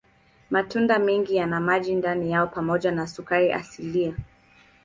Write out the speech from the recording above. Matunda mengi yana maji ndani yao pamoja na sukari asilia.